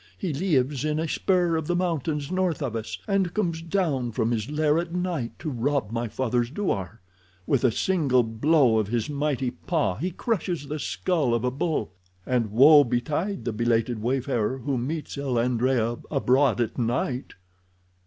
"He lives in a spur of the mountains north of us, and comes down from his lair at night to rob my father's douar. With a single blow of his mighty paw he crushes the skull of a bull, and woe betide the belated wayfarer who meets el Adrea abroad at night."